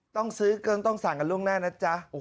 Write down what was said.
ต้องซื้อก็ต้องสั่งกันล่วงหน้านะจ๊ะ